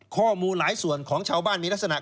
ข้อมูลหลายส่วนของชาวบ้านมีลักษณะ